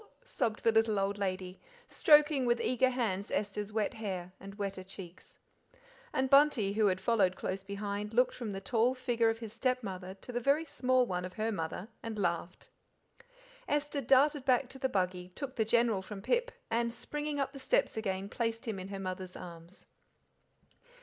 sobbed the little old lady, stroking, with eager hands, Esther's wet hair and wetter cheeks. And Bunty, who had followed close behind, looked from the tall figure of his stepmother to the very small one of her mother and laughed. Esther darted back to the buggy, took the General from Pip, and, springing up the steps again, placed him in her mother's arms.